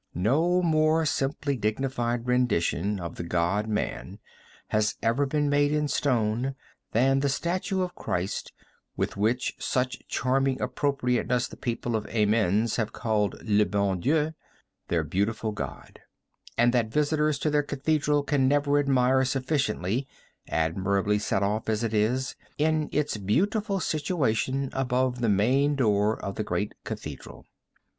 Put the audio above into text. No more simply dignified rendition of the God Man has ever been made in stone than the statue of Christ, which with such charming appropriateness the people of Amiens have called le Beau Dieu, their beautiful God, and that visitors to their great cathedral can never admire sufficiently, admirably set off, as it is, in its beautiful situation above the main door of the great cathedral.